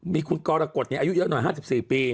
มีคุณก้อละกดอายุ๕๔ปี